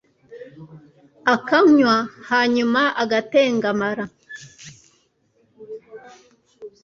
akanywa hanyuma agatengamara